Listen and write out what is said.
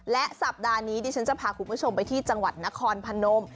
และสัปดาห์นี้ดิฉันจะพาคุณผู้ชมไปที่จังหวัดนครพนม